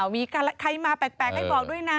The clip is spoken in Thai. มีใครมาแปลกให้บอกด้วยนะ